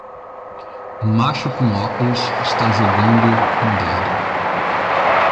Um macho com óculos está jogando um dardo.